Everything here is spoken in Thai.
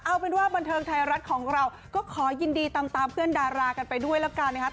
เอาเป็นว่าบันเทิงไทยรัฐของเราก็ขอยินดีตามตามเพื่อนดารากันไปด้วยแล้วกันนะครับ